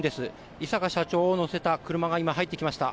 井阪社長を乗せた車が今、入ってきました。